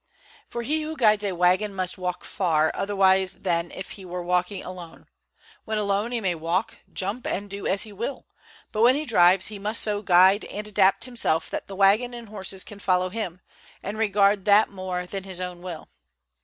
For he who guides a wagon must walk far otherwise than if he were walking alone; when alone he may walk, jump, and do as he will; but when he drives, he must so guide and adapt himself that the wagon and horses can follow him, and regard that more than his own will.